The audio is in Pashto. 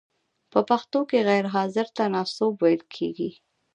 په پښتو کې غیر حاضر ته ناسوب ویل کیږی.